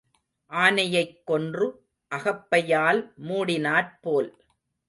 ஆனையைக் கொன்று அகப்பையால் மூடினாற் போல்.